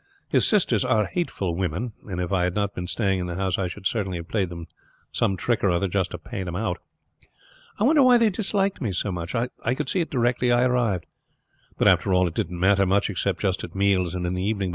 His sisters are hateful women, and if I had not been staying in the house I should certainly have played them some trick or other just to pay them out. I wonder why they disliked me so much. I could see it directly I arrived; but, after all, it didn't matter much, except just at meals and in the evening.